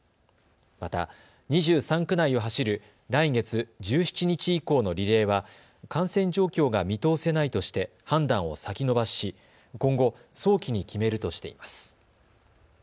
また、２３区内を走る来月１７日以降のリレーは感染状況が見通せないとして判断を先延ばしし今後、早期に決めるとしています。